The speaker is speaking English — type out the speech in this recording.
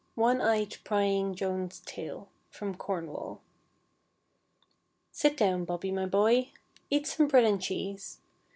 ONE EYED PRYING JOAN'S TALE From Cornwall Sit down, Bobby, my boy. Eat some bread and cheese.